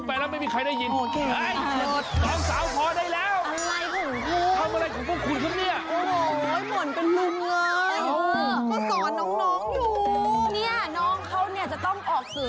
เนี่ยน้องเขาเนี่ยจะต้องออกสื่อต้องถ่ายลูก